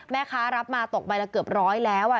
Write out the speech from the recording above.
แม่ค้ารับมาตกใบละเกือบร้อยแล้ว